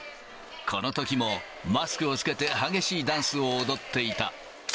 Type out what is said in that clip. このときも、マスクを着けて激しいダンスを踊っていた。